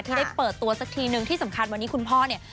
ได้เปิดตัวสักทีนึงที่สำคัญวันนี้คุณพ่อเนี่ย